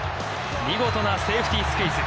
見事なセーフティースクイズ。